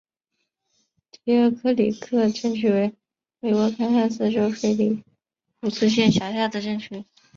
迪尔克里克镇区为美国堪萨斯州菲利普斯县辖下的镇区。